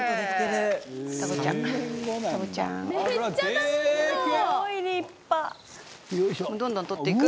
財前：どんどん採っていく？